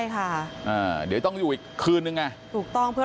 ขอบคุณทุกคน